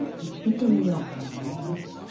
見てみよう。